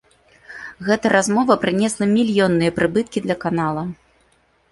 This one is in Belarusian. Гэта размова прынесла мільённыя прыбыткі для канала.